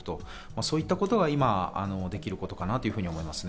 そういったことが今できることかなと思います。